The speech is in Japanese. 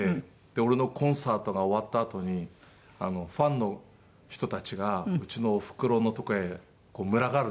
俺のコンサートが終わったあとにファンの人たちがうちのおふくろの所へ群がるんですよ。